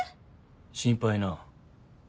心配なぁ。